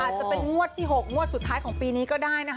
อาจจะเป็นงวดที่๖งวดสุดท้ายของปีนี้ก็ได้นะคะ